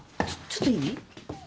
ちょっといい？